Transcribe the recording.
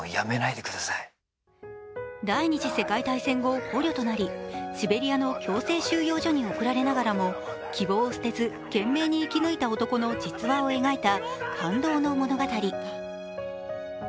第二次世界大戦後、捕虜となりシベリアの強制収容所に送られながらも希望を捨てず懸命に生き抜いた男の実話を描いた感動の物語。